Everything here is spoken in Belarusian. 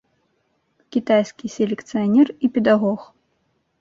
Кітайскі селекцыянер і педагог.